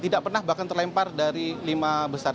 tidak pernah bahkan terlempar dari lima besar